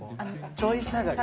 ちょい下がり？